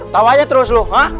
tawa aja terus lu